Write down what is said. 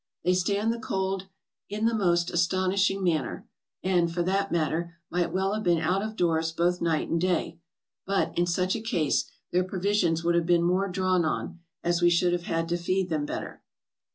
They stand the cold in the most astonishing manner, and, for that matter, might well have been out of doors both night and day; but, in such a case, their provisions would have been more drawn on, as we should have had to feed them better.